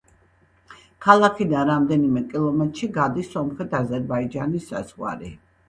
ქალაქიდან რამდენიმე კილომეტრში გადის სომხეთ–აზერბაიჯანის საზღვარი.